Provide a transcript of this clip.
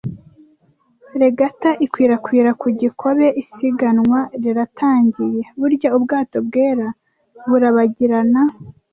Regatta ikwirakwira ku kigobe, isiganwa riratangiye, (burya ubwato bwera burabagirana!)